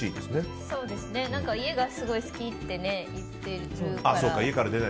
家がすごい好きって言ってるから。